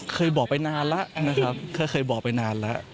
เคยบอกไปนานแล้วนะครับเคยบอกไปนานแล้ว